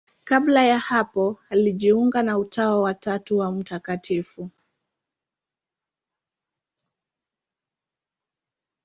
Kabla ya hapo alijiunga na Utawa wa Tatu wa Mt.